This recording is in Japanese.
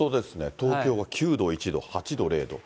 東京は９度、１度、８度、０度。